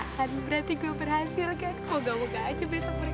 tadi pengocen mereka mungkin sedang sangat marah